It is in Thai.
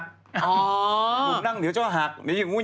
บุ๋มนั่งเหนือก็เผลอหัก